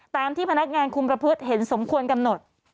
ตามที่พนักงานคุมประพฤติเห็นสมควรกำหนด